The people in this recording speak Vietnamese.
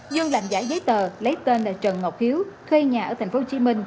dương làm giả giấy tờ lấy tên là trần ngọc hiếu thuê nhà ở tp hcm